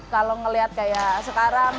kalau ngelihat kayak sekarang